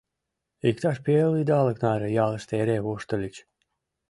Иктаж пел идалык наре ялыште эре воштыльыч.